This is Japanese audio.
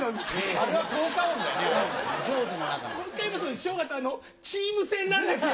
師匠方チーム戦なんですよ。